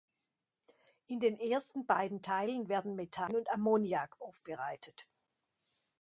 In den ersten beiden Teilen, werden Methan und Ammoniak aufbereitet.